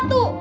ibu aku bisa